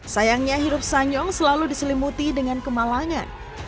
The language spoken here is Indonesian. sayangnya hidup sanyong selalu diselimuti dengan kemalangan